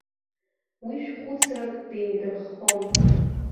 Уи шәхәыцрак деимдырххон.